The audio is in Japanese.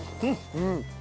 うん！